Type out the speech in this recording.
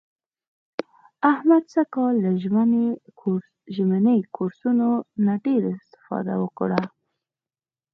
احمد سږ کال له ژمني کورسونو نه ډېره اسفاده وکړه.